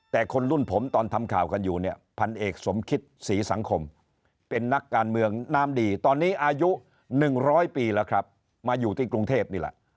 แต่คนรุ่นผมตอนทำข่าวกันอยู่เนี่ยพันเอกสมคิตศรีสังคมเป็นนักการเมืองน้ำดีตอนนี้อายุ๑๐๐ปีแล้วครับมาอยู่ที่กรุงเทพนี่แหละ